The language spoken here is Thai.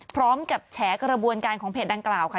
พร้อมกับแชร์กระบวนการของเพจดังกล่าวค่ะ